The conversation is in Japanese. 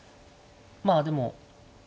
まあでも。